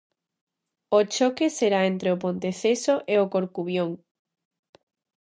O choque será entre o Ponteceso e o Corcubión.